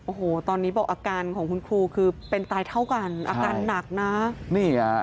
โอ้โหตอนนี้บอกอาการของคุณครูคือเป็นตายเท่ากันอาการหนักนะนี่ฮะ